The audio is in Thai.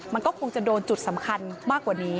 มันก็คงจะโดนจุดสำคัญมากกว่านี้